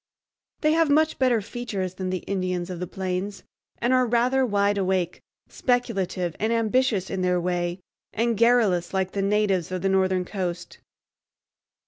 They have much better features than the Indians of the plains, and are rather wide awake, speculative and ambitious in their way, and garrulous, like the natives of the northern coast.